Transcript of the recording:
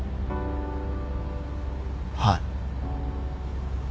はい。